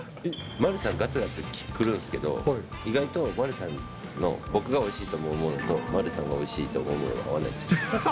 丸さん、がつがつくるんすけど、意外と、丸さんの、僕がおいしいと思うものと、丸さんがおいしいって思うものが合わないんです。